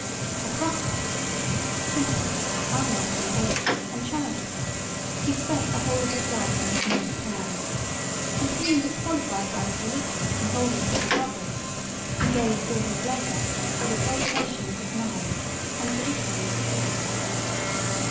A prosperous citizen, simple, unostentatious and charitable, he spent the whole of his life in his native town, and being disqualified by his religion from holding public office he gave all his leisure to the cultivation of his mind and to literary pursuits.